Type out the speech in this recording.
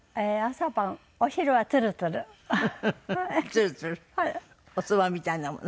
ツルツル？おそばみたいなもの？